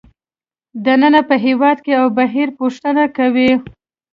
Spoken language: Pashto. دننه په هېواد کې او بهر پوښتنه کوي